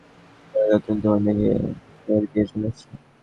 ভুলে যাও, তুমি তোমার মেয়ের বিয়ের জন্য এসেছো।